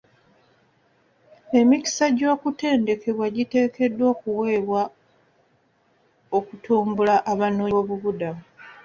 Emikisa gy'okutendekebwa giteekeddwa okuweebwa okutumbula abanoonyi b'obubuddamu .